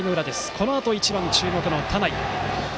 このあと１番、注目の田内。